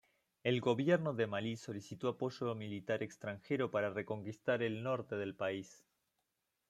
El Gobierno de Malí solicitó apoyo militar extranjero para reconquistar el norte del país.